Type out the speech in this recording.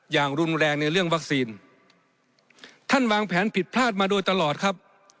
อย่างรุนแรงในเรื่องวัคซีนท่านวางแผนผิดพลาดมาโดยตลอดครับ